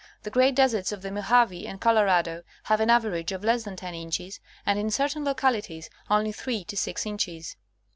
The great deserts of the Mojave and Colorado have an average of less than 10 inches, and in certain localities only 3 to 6 inches.